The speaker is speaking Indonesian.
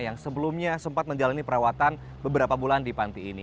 yang sebelumnya sempat menjalani perawatan beberapa bulan di panti ini